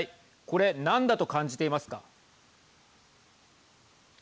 これ、何だと感じていますか。